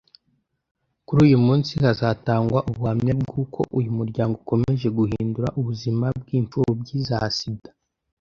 Kuri uyu munsi hazatangwa ubuhamya bw’uko uyu muryango ukomeje guhindura ubuzima bw’imfubyi za Sida